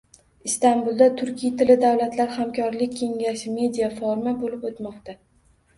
Istanbulda Turkiy tilli davlatlar hamkorlik kengashi media-forumi bo‘lib o‘tmoqda